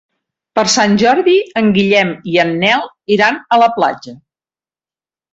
Per Sant Jordi en Guillem i en Nel iran a la platja.